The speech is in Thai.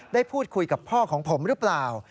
ได้พูดคุยกับพ่อของผมหรือเปล่า